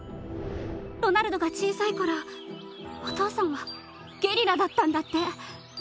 ロナルドが小さい頃お父さんはゲリラだったんだって。